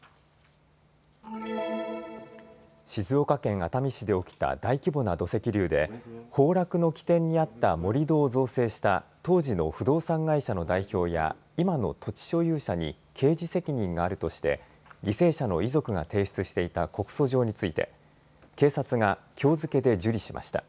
静岡県熱海市で起きた大規模な土石流で崩落の起点にあった盛り土を造成した当時の不動産会社の代表や今の土地所有者に刑事責任があるとして犠牲者の遺族が提出していた告訴状について警察がきょう付けで受理しました。